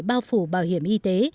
bao phủ bảo hiểm y tế